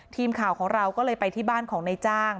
ทีมข่าวของเราก็เลยไปที่บ้านของนายจ้าง